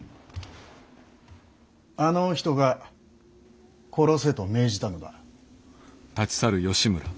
あのお人が殺せと命じたのだ。